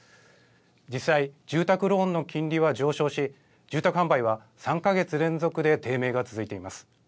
実際、住宅ローンの金利は上昇し、住宅販売は３か月連続で低迷が続いています。